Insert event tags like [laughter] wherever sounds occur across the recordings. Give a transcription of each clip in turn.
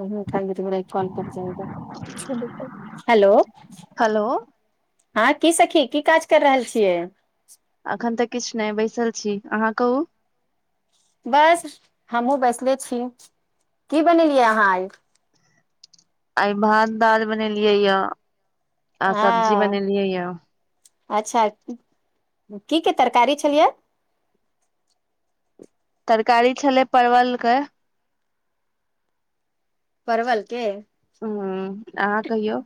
अन्हु उठाय लेबै त फोन कटि जायत [unintelligible] हेलो हेलो हँ की सखी की काज कैर रहल छियै एखन तऽ किछ नहि बैसल छी अहाँ कहू बस हमहुँ बैसले छी की बनेलियै अहाँ आइ आइ भात दाल बनेलियै या आ सब्जी हँ बनेलियै या अच्छा की के तरकारी छलियै तरकारी छलै परवलके परवलके हूँ अहाँ कहियौ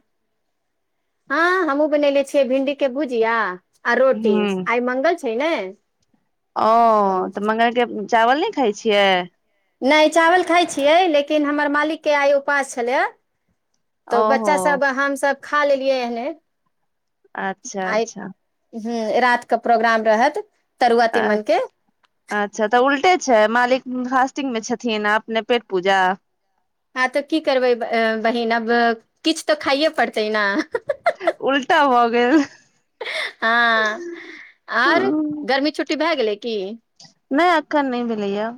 हँ हमहूँ बननेे छियै भिंडी के भुजिया। आ रोटी ह आइ मंगल छै। छै ने ओ हम्म, तऽ मंगलके। चावल नहि खाइ छियै नहि चावल खाइ छियै लेकिन हमर मालिकके आइ उपास छलै एा तऽ ओहो बच्चा सब हम सभ खा लेलियै एहने अच्छा आई अच्छा हूँ रात क प्रोग्राम रहत तरुआ तीमन अछ के -अच्छा तऽ उलटे छै मालिक फास्टिंग मे छथिन अपने पेट पूजा। हँ किछ तऽ खाइए पड़तै न उलटा भ गेल हँ आर हम्म, गर्मी छुट्टी भए गेलै की नहि अखन नहि भेलै या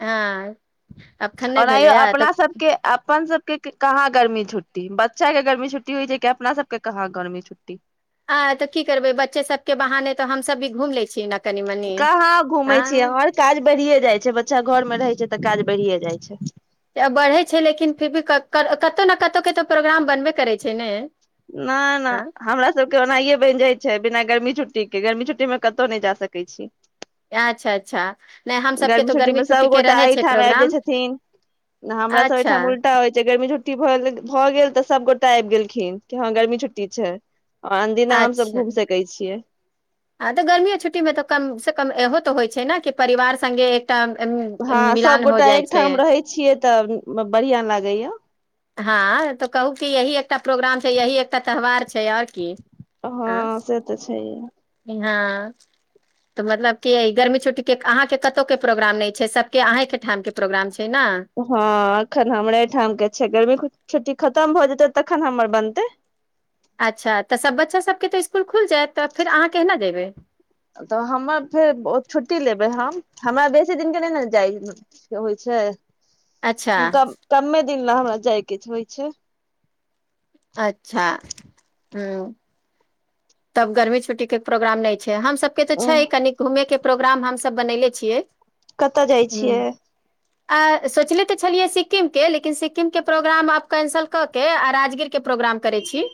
हँ अखन नहि ओनाहिंयौ भेलैए अपना तऽ सबके अपन सब कीक-कहाँ गर्मी छुट्टी बच्चा के गर्मी छुट्टी होइ छै कि अपना सबके कहाँ गर्मी छुट्टी आ तऽ की करबै बच्चे सब के बहाने तऽ हमस भी घूम लै छी ने कनि मनी कहाँ घूमेै छियै हम हँ हमर काज बढ़ियै जाइ छै बच्चा घर मे रहै छै तऽ काज बढ़ियै जाइ छै आ बढ़ै छै लेकिन फिर भी कत ने कतहु कतहुके प्रोग्राम बनबे करै छै ने न ना हाँ, हमरा सबके ओनाहिंए बनि जाइ छै बिना गर्मी छुट्टी के गर्मी छुट्टी मे कतहु नहि जा सकै छी अच्छा अच्छा नहि हम सबके गर्मी तो छुट्टी मे सब के गोटा रहै छै एहिठाम मे आबि जाय प्रोग्राम छथिन हमरा सब अच्छा एहिठाम उल्टा होइ छै गर्मी छुट्टी छुट्टी भगेल भऽ गेल तऽ सभगोटा आबि गेलखिन की हँ गर्मी छुट्टी छै आओर अनदिना हम सब घूम सकै छियै हाँ तऽ गर्मीयो छुट्टी मे तऽ कम से कम इहो तऽ होइत छै न की परिवार सङ्गे हँ सभगोटा एकठाम रहै छियै तऽ बढ़ियाँ लागै या हँ तऽ कहू कि यही एकटा प्रोग्राम यही एकटा त्यौहार छै आओर की हँ से तऽ छै हाँ त मतलब के गर्मी छुट्टी के अहाँ के कतौके प्रोग्राम नहि छै सब के अहेंके ठाम के प्रोग्राम छै ने हँ अखन हमरा ऐठाम के छै गर्मी छुट्टी खतम भऽ जेतै तखन हमर बनतै अच्छा तऽ सभ बच्चा सभके तऽ स्कूल खुलि जायत तऽ फेर अहाँ केना जेयबै तऽ हमर फेर छुट्टी लेबै हम हमरा बेसी दिनके नहि ने जाइ होइ छै अच्छा क-कमे दिन ला हमरा जायके होइ छै अच्छा हूँ तब गर्मी छुट के प्रोग्राम नहि छै हम सब के तऽ छै कनि घूमे के प्रोग्राम हमसब बनैले छियै कतऽ जाइ छियै अ-सोचले तऽ छलियै सिक्किम के लेकिन सिक्किम के प्रोग्राम आब कैंसल कऽ के आ राजगीर प्रोग्राम करै छी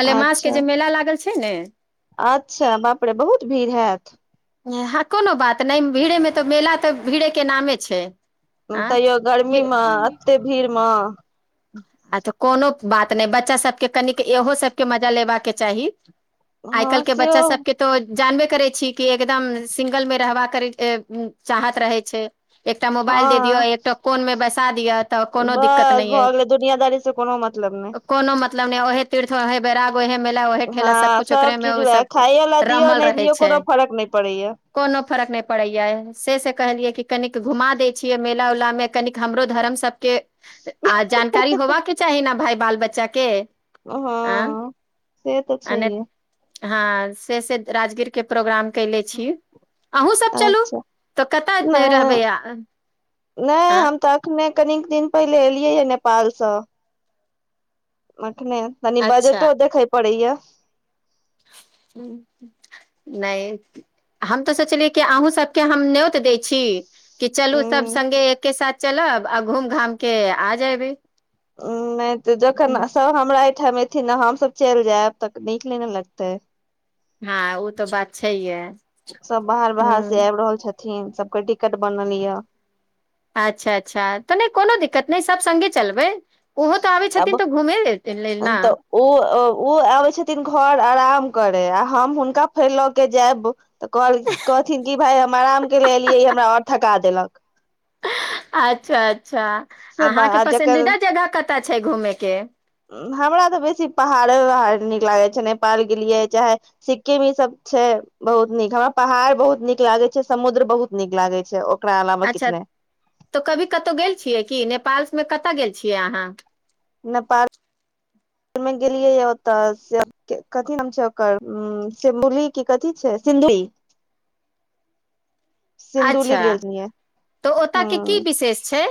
मलेमास के अच्छा जे मेला लागल छै ने अच्छा बाप रे बहुत भीड़ हायत हें कोनो बात नहि भीड़ेमे तऽ मेला तऽ भीड़ेके नामे छै आ तैयो गर्मी मे एते भीड़ मँ अचछा कोनो बात नहि बच्चा सब के कनिक एहो सब के मजा लेबाक के चाही आइ हँ काल्हि के सेहो बच्चा सबके तो जानबे करै छी कि एकदम सिंगल मे रहबा करै के चाहत रहै छै एकटा मोबाइल दे हँ दिअ एकटा कोनमे बैसा दिअ तऽ कोनो दिक्कत नहि एय दुनियाादारी से कोनो मतलब नहि मतलब नहि ओहे तीर्थ ओहे वैराग्य ओहे मेला ओहे ठेला सब हँ कुछ ओेकरेमे चीज वएह ओसब खाइय ला दियौ रमल नहि रहै दियौ छै कोनो फर्क नहि पड़ैया कोनो फरक नहि पड़ैया से स कहलियै कि कनिक घुमा दैय छियै मेला उला मे कनिक हमरो धरम सब के आ जान- -कारी होवाके चाही ने भाय बाल बच्चा के आँ हँ से तऽ अने छैहे हँ से से राजगीर के प्रोग्राम कैले छी अन्हु सब चलू अच्छा त कतह नहि रहबै अहाँ नहि आँ हम तऽ अखने कनिक दिन पहिले एलियै या नेपालसँ [unintelligible] ने तनी अच्छा बजटो देखै पड़ै या [inaudible] नहि हम तऽ सोचलियै कि अहूँ सब के हम न्योत दैय छी की चलू सब उंम्म संगङ्गे एके साथ चलब आ घूम घामके आ जेबे नहि तऽ जखन स हमरा ए ओहि ठम एथिन हम सब चलि जायब तक नीक नै न लगतै हँ ओ तऽ बात छै हे थिन सबके टिकट बनल या अच्छा अच्छा तऽ नहि कोनो दिक्कत नहि सभ सङ्गे चलबै ओहो तऽ आबै आब छथिन तऽ घूमहे लेल न उ आबै छथिन घर आराम करे आ हम हुनका फेर लऽ के जायब तऽ कहथिन कि भाय हम आराम करैला एलियै हमरा आओर थका देलक अच्छा अच- -च्छा से अहाँके आ जकर पसन्दीदा जगह क- कत्ते छै घूमे के हमरा तऽ बेसी पहाड़े उहाड़ नीक लागै छै नेपाल गेलियै चाहे सिक्किम ईसभ छै बहुत नीक हमरा पहाड़ बहुत नीक लागै छै समुद्र बहुत नीक लागै छै ओकरा अलावा अच्छा किछु तऽ कभी कतहु गेल छियै कि नेपाल मे कतऽ गेल छियै अहाँ नेपाल गेलियै ओतऽ कथी नाम छै ओकर सिमबुली क कथि छै सिन्धुली सिन्धुली अच्छा गेल रहियै तऽ ओतय के हूँ की विशेष छै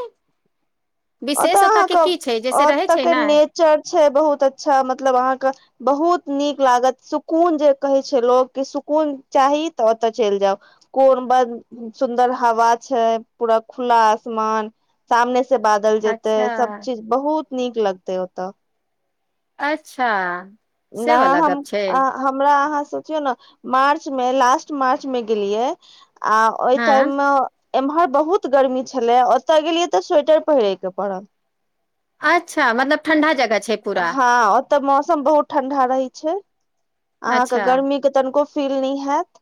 ओतऽ विशेष ओतय के अहाँके की छै जैसे रहै ओतऽ छै के ने नेचर छै बहुत अच्छा मतलब अहाँके बहुत नीक लागत सुकून जे कहै छै लोग की सुकून चाही तऽ ओते चलि जाउ कोन ब सुन्दर हवा छै पूरा खुला आसमान सामने से बात- जेते अच्छा, सब चीज बहुत नीक लगतेै ओतऽ अच्छा से नहि वला हम गप छै, हमरा अहाँ से सोचियौ न मार्च मे लास्ट मार्च मे गेलियै आ ओहि टाइम हँ मे एम्हर बहुत गर्मी छलै ओतय गेलियै तऽ स्वेटर पहिरे के पड़ल अच्छा मतलब ठण्डा जगह छै पूरा, हँ तऽ मौसम बहुत ठंडा रहै छै अहाँके अच्छा गर्मी के तनिको फील नहि हायैत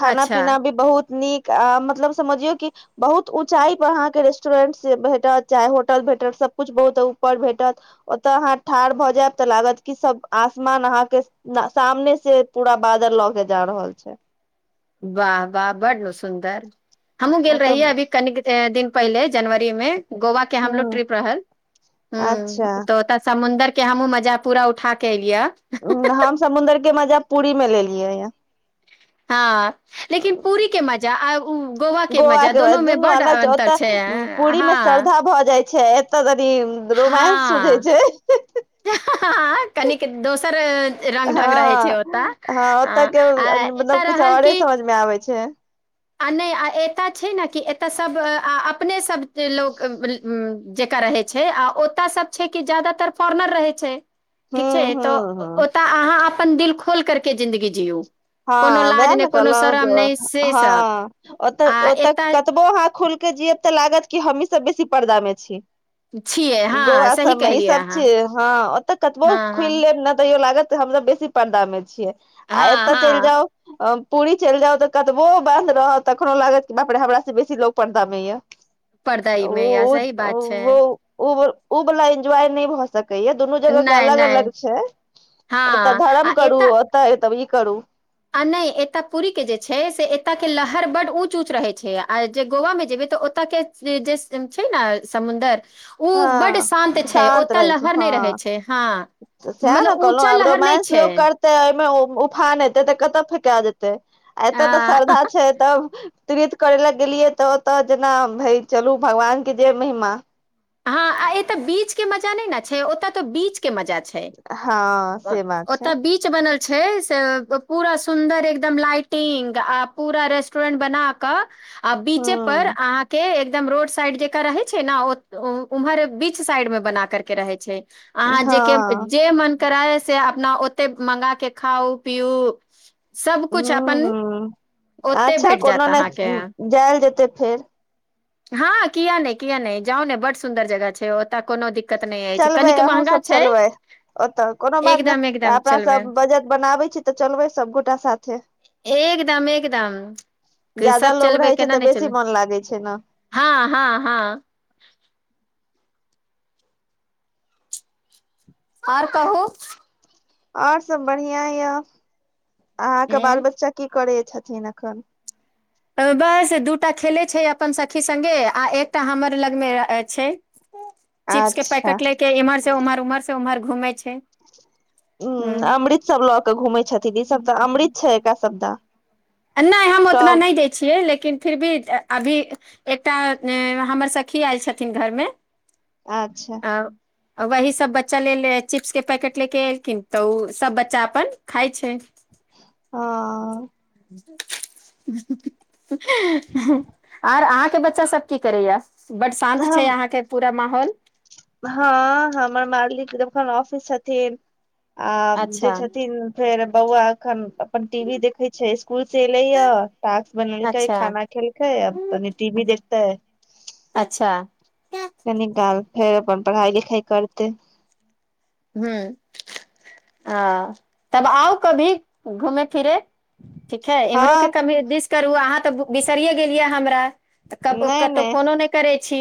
खाना अच्छा पीना भी बहुत नीक आ मतलब समझियौ कि बहुत उँचाई पर अहाँके रेस्टरेंट से भेटत चाहे होटल भेटत सबकुछ बहुत ऊपर भेटत ओतय अहाँ ठाढ़ भऽ जायब तऽ लागत कि सब आसमान अहाँके सामने से पूरा बादल लऽ क जा रहल छै वाह वाह बड्ड सुन्दर हमहुँ गेल ओतऽ रहियै अभी कनिक ए दिन पहिले जनवरी मे गोवा के हमरो ह ट्रिप रहल हूँ अच्छा तऽ ओतऽ समुदर के हमहूँ मजा पूरा उठा के ए- हम समुद्र के मजा पूरी मे ले लियै या हँ लेकिन पूरी के मजा आ उ गोवा गोव मजा के ब दोनो मे दुनू बड्ड अलग छै अन्तर ओतऽ पूरी मे हँ श्रद्धा भऽ जाइ छै त [unintelligible] रोमांस सुझैय हँ छै हँ कनिक दोसर रंग ढंग रहै छै हँ ओतऽ हाँ अ ओतके आ मतलब एतय कुछ रहल आरों कि समझ मे आबै छै आ नहि आ एतय छै ने कि एतय सभ अपनेसभ त लोक उ जेका रहै छै आ ओतय सब छै की जादातर फोरनर रहै छै हूँ ठीक छै हूँ तऽ हूँ ओतऽ अहाँ अपन दिल खोल करके जिन्दगी जियु हँ उएह न कहलूँ से हँ सब ओतऽ आ ओतऽ एतय कतबो हा- खुल के जियब तऽ लागत कि हमही सब बेसी पर्दा मे छी छियै हँ गोवा सही सबमे ई कहलियै सब अहाँ छी हँ ओतऽ कतबो हँ हँ खुईल लेब ने तैयो लागत हमरा बेसी पण्डा मे छियै हँ तऽ चलि हँ जाउ अ- पूरी चलि जाउ तऽ कतबो बन्द रहत तखनो लागत बाप रे हमरा से बेसी लोक परदामे या पर्दइ मे यऽ ओ- ओ सही बात छै -ओ- ओ उ वला इन्जॉय नहि भ सकत कहि दुनू जगह के नहि अलग नहि अलग छै एतऽ हँ आ धर्म करु एतऽ ओत तभी करू आ नहि एतय पुरीके जे छै से एतय के लहर बड्ड उँच उँच रहै छै आ जे गोवामे जेबै तऽ ओतय के जे छै न समुन्दर ओ बड शान्त हँ छै शांत ओतऽ रहै छै लहर हँ नहि रहै छै हँ साए ने मतलब कहलहूँ ऊँचा आब लहर नहि रोमांस छै लोक करतैय ओए मे ओ उफान एतै तऽ कतऽ फेका जेतै आ एतय तऽ श्रद्धा छै तब तीर्थ करैय लए गेलियै तऽ ओतऽ जेना भए चलू भगवानके जे महिमा हँ आ एतऽ बीच के मजा नहि ने छै ओतऽ तऽ बीच के मजा छै हँ से बात ओत छै बीच बनल छै से पुरा सुन्दर एकदम लाइटिंग आ पुरा रेस्टोरेंट बना क आ बीचे पर हूँ अहाँ के एकदम रोड साइड जकर रहै छै न ओ- -ओ उम्हर बीच साइड मे बना करके रहै छै अहाँ जेके हँ जे मन कराबे से अपना ओतैय मंगा के खाउ पिउ सबकुछ हूँ अपन हूँ ओते अच्छा भेट कोनो जायत अहाँके नहि जाएल जेतै फेर हँ किया नहि किया नहि जाउ ने बड्ड सुन्दर जगह छै ओतऽ कोनो दिक- चलबै अहूँ सब चलबै ओतऽ कोनो बात ने एकदम एकदम अपना चलबै सब बजट बनाबै छी तऽ चलबै सबगोटा साथे एकदम एकदम ज्यादा सब लोग चलबै रहै छै तऽ केना नहि बेसी चलबै मोन लागै छै ने हँ हँ हँ आओर कहू आओर सब बढ़ियाँ या अहाँके बाल एँ बच्चा की करै छथिन एखन बस दूटा खेलै छै अपन सखी सङ्गे आ एकटा हमर लगमे छै चिप्स के अच्छा पैकेट ले के इमर से उमर उमर से उमहर घुमै छी हूँ अमृत सब लऽ क घूमै छथिन ई सब तऽ अमृत छै एकरा सबदा नहि हम ओतना नहि दै छियै ले- लेकिन फिर भी अभी एकटा ऐं हमर सखी आयल छथिन घरमे अच्छा आ वही सभ बच्चा लेल चिप्स के पैकेट लेके एलखिन तऽ ओ सब बच्चा अपन खाइ छै हाँ हँह हँह हँ आर अहाँके बच्चा सब की करैया बड्ड शान्त छै हम अहाँके पू- माहौल हँ हमर मालिक एखन ऑफिस छथिन आ जे अच्छा छथिन फेर बौआ एखन अपन टी वी देखै छै स्कूल से एलै या टास्क बनेलकै अच्छा खाना खेलकै आ तनि टी वी देखतै अच्छा कनिकाल फेर अपन पढ़ाइ लिखाइ करतै हूँ आ तब आउ कभी घूमे फिरे ठीक है हँ इमहरोे कभी दिस करू अहाँ तऽ बिसरियै गेलियै हमरा तऽ कब नहि कतहु नहि फोनो करै छी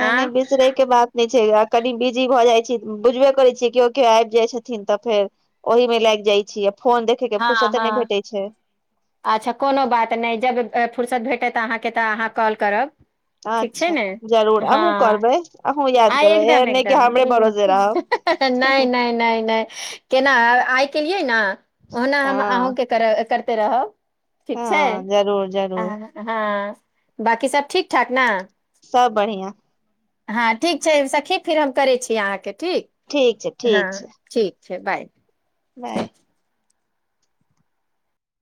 नहि नहि आँ बिसरै के बात नै छै अ- कनि बिजी भऽ जाई छी बुझबे करै छियै कियौ कियौ आबि जाइत छथिन तऽ फेर ओहिमे लागि जाइ छियै फोन देखै के हँ फुर्सत नहि हँ भेटै छै अच्छा कोनो बात नहि जब ऐं फुुरसत भेटत अहाँके तऽ अहाँ कॉल करब ठीक छै अच्छा ने जरूर हँ अहूँ करबै अहूँ याद आ करबै एकदम एहन नहि कि एकदम हमरे भरोसे रहब नहि नहि नहि नहि केना आई केलियै ने ओना हम हँ अहूँ के करे कर- ते रहब ठीक छै हँ जरूर जरूर अं- ह-हँ बांकी सब ठीक ठाक न सब बढ़ियाँ हँ ठीक छै सखी फेर हम करै छी अहाँके ठीक ठीक छै हँ ठीक छै ठीक छै बाय बाय